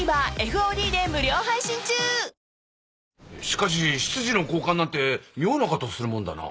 しかし執事の交換なんて妙なことをするもんだな。